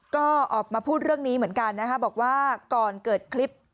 ก็ออกมาพูดเรื่องนี้เหมือนกันนะคะบอกว่าก่อนเกิดคลิป